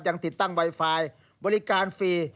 ยังติดตั้งไวไฟบริการฟรี